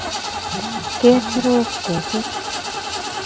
Keturek ketik